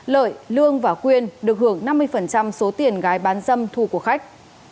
lợi lương và quyên được hưởng năm mươi số tiền gái bán dâm thu của khách